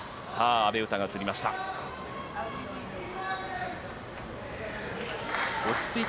阿部詩が映りました。